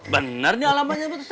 bener nih alamannya betul